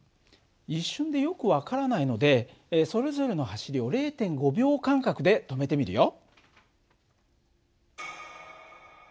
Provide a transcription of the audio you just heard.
一瞬でよく分からないのでそれぞれの走りを０．５秒間隔で止めてみるよ。